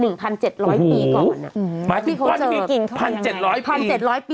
หมายถึงก่อนที่มีกินเขาเป็นยังไง๑๗๐๐ปี